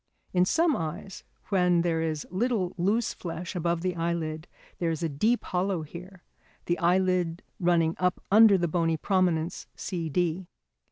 In some eyes, when there is little loose flesh above the eyelid, there is a deep hollow here, the eyelid running up under the bony prominence, C D.